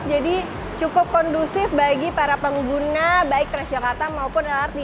jadi cukup kondusif bagi para pengguna baik transjakarta maupun lrt